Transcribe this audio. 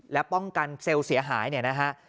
และป้องกันเซลล์เสียหายเนี่ยนะฮะ